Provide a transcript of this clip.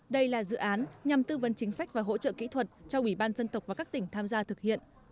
đây là dự án nhằm tư vấn chính sách và hỗ trợ kỹ thuật cho ủy ban dân tộc và các tỉnh tham gia thực hiện